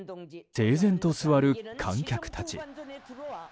整然と座る観客たち。